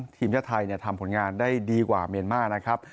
ทีมชาติไทยทำผลงานได้ดีกว่าเมียนมาร์นะครับ